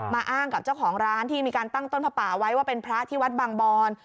อ้างกับเจ้าของร้านที่มีการตั้งต้นพระป่าไว้ว่าเป็นพระที่วัดบางบอน